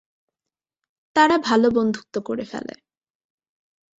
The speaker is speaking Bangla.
তারা ভাল বন্ধুত্ব করে ফেলে।